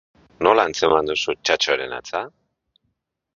Nola atzeman duzu Txatxoren hatza?